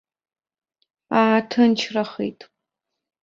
Ааҭынчрахеит.